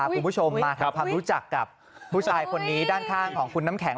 คุณผู้ชมมาทำความรู้จักกับผู้ชายคนนี้ด้านข้างของคุณน้ำแข็ง